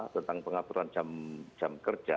tentang pengaturan jam kerja